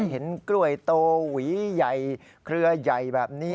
เห็นกล้วยโตหวีใหญ่เครือใหญ่แบบนี้